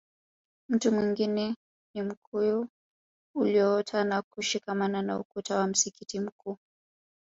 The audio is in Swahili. Mti mwingine ni mkuyu ulioota na kushikamana na ukuta wa msikiti mkuu